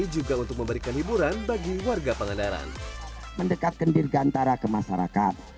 juga untuk memberikan hiburan bagi warga pangandaran mendekatkan dirgantara ke masyarakat